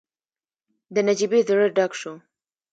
د نجيبې زړه ډک شو.